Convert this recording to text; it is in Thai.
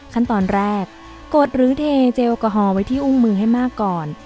ขั้นตอนแรกกดหรือเทเจลแอลกอฮอลไว้ที่อุ้งมือให้มากก่อน